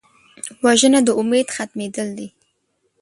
وژنه د امید ختمېدل دي